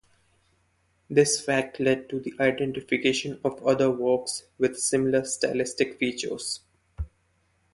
This fact led to the identification of other works with similar stylistic features.